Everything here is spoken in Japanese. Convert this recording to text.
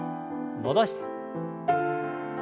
戻して。